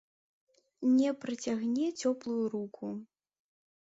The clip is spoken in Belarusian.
Не працягне цёплую руку.